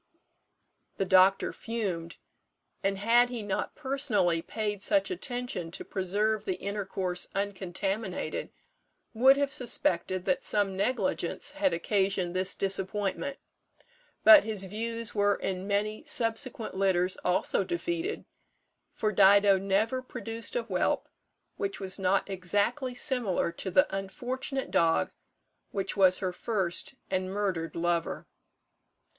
The doctor fumed, and, had he not personally paid such attention to preserve the intercourse uncontaminated, would have suspected that some negligence had occasioned this disappointment; but his views were in many subsequent litters also defeated, for Dido never produced a whelp which was not exactly similar to the unfortunate dog which was her first and murdered lover.